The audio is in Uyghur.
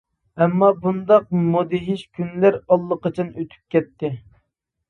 ئەمما بۇنداق مۇدھىش كۈنلەر ئاللىقاچان ئۆتۈپ كەتتى.